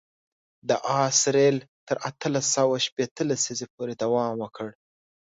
د آس رېل تر اتلس سوه شپېته لسیزې پورې دوام وکړ.